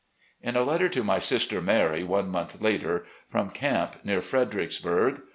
In a letter to my sister Mary, one month later, from "Camp near Fredericksburg"